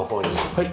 はい。